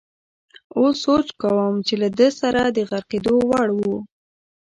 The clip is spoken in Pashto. اوس سوچ کوم چې له ده سره د غرقېدو وړ وو.